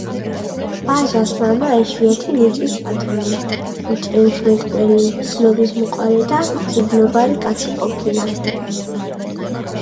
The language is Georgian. ვაჟას მამა იშვიათი ნიჭის პატრონი, მჭევრმეტყველი, ცნობისმოყვარე და მწიგნობარი კაცი ყოფილა.